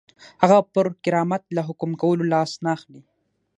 هغه پر کرامت له حکم کولو لاس نه اخلي.